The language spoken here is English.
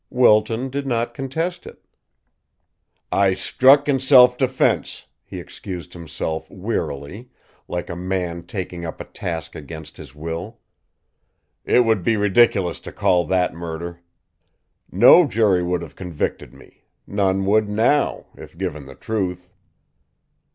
Wilton did not contest it. "I struck in self defence," he excused himself wearily, like a man taking up a task against his will. "It would be ridiculous to call that murder. No jury would have convicted me none would now, if given the truth."